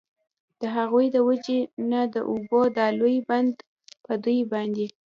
د هغوی د وجي نه د اوبو دا لوی بند په دوی باندي